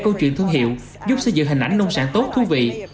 chương trình thương hiệu giúp xây dựng hình ảnh nông sản tốt thú vị